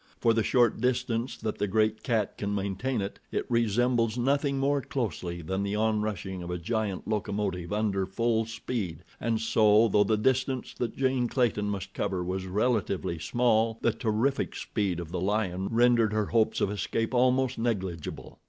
For the short distance that the great cat can maintain it, it resembles nothing more closely than the onrushing of a giant locomotive under full speed, and so, though the distance that Jane Clayton must cover was relatively small, the terrific speed of the lion rendered her hopes of escape almost negligible.